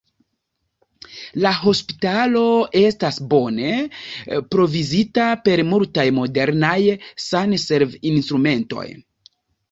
La hospitalo estas bone provizita per multaj modernaj sanservinstrumentoj.